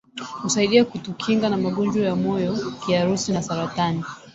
Husaidia kutukinga na magonjwa ya moyo kiharusi na saratani